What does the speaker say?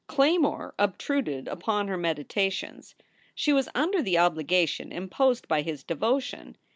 Claymore obtruded upon her meditations. She was under the obligation imposed by his devotion.